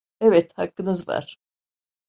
Evet, hakkınız var!